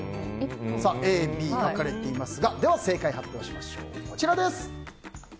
Ａ、Ｂに分かれていますが正解を発表しましょう。